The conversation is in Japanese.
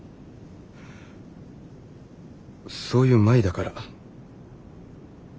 そういう舞だから。